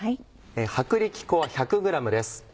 薄力粉１００ｇです。